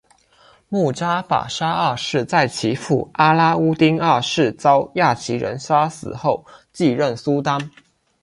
慕扎法沙二世在其父阿拉乌丁二世遭亚齐人杀死后继任苏丹。